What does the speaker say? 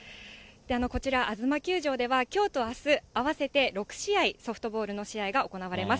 こちら、あづま球場ではきょうとあす、合わせて６試合、ソフトボールの試合が行われます。